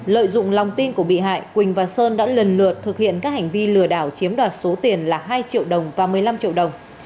lợi dụng lòng tin của bị hại quỳnh và sơn đã lần lượt thực hiện các hành vi lừa đảo chiếm đoạt số tiền là hai triệu đồng và một mươi năm triệu đồng